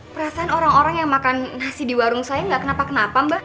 perasaan orang orang yang makan nasi di warsu saya nggak kenapa kenapa mbah